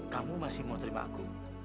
kamu masih mau terima aku